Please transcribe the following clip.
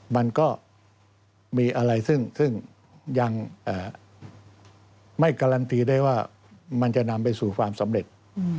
มันก็มีอะไรซึ่งยังไม่การันตีได้ว่ามันจะนำไปสู่ความสำเร็จ